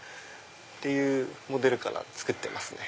っていうモデルから作ってますね